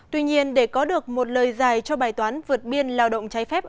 tuy nhiên để có được một lời dài cho bài toán vượt biên lao động trái phép